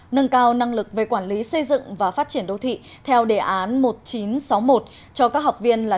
nâng cao năng lực về quản lý xây dựng và phát triển đô thị theo đề án một nghìn chín trăm sáu mươi một cho các học viên là